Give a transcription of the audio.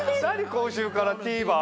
今週からＴＶｅｒ？